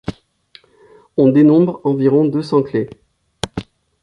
On dénombre environ deux cents clés.